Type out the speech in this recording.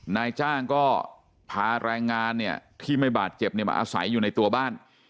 นายจ้างก็พาแรงงานเนี่ยที่ไม่บาดเจ็บเนี่ยมาอาศัยอยู่ในตัวบ้าน